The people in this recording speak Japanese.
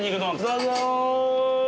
どうぞー。